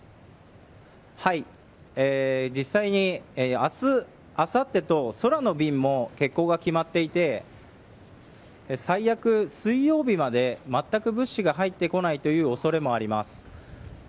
実際に明日、あさってと空の便も欠航が決まっていて最悪、水曜日までまったく物資が入ってこないという恐れもあります。